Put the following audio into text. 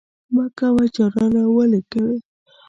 مه کوه جانانه ولې کوې؟